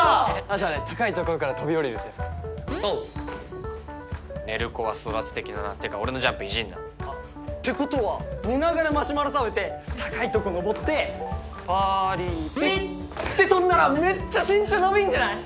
あとはね高い所から飛び降りるってやつおう寝る子は育つ的ななてか俺のジャンプイジんなあってことは寝ながらマシュマロ食べて高いとこ上ってパリピって飛んだらめっちゃ身長伸びんじゃない？